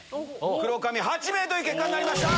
黒髪８名という結果になりました。